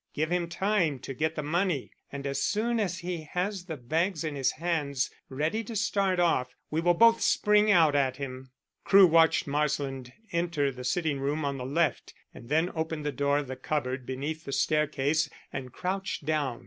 Give him time to get the money, and as soon as he has the bags in his hands ready to start off, we will both spring out at him." Crewe watched Marsland enter the sitting room on the left and then opened the door of the cupboard beneath the staircase and crouched down.